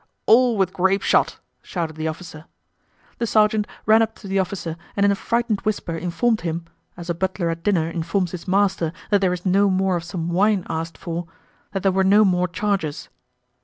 "All with grapeshot!" shouted the officer. The sergeant ran up to the officer and in a frightened whisper informed him (as a butler at dinner informs his master that there is no more of some wine asked for) that there were no more charges.